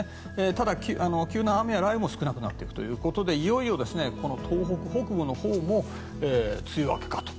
ただ、急な雨や雷雨も少なくなっているということでいよいよ東北北部も梅雨明けかと。